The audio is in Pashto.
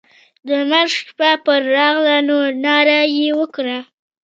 د مرګ شپه پر راغله نو ناره یې وکړه.